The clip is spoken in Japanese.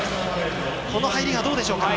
この入りはどうでしょうか。